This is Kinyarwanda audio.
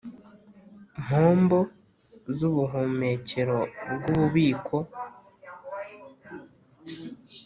mpombo z ubuhumekero bw ububiko